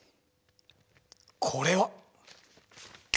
これは！